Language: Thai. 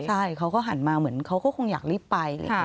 ใช่เขาก็หันมาเหมือนเขาก็คงอยากรีบไป